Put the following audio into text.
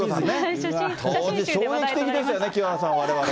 衝撃的でしたよね、清原さん、われわれね。